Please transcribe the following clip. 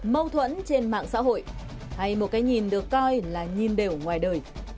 mâu thuẫn trên mạng xã hội hay một cái nhìn được coi là nhìn đều ngoài đời